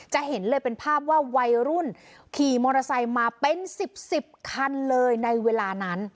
จะเห็นเลยเป็นภาพว่าวัยรุ่นขี่มอเตอร์ไซค์มาเป็น๑๐๑๐คันเลยในเวลานั้น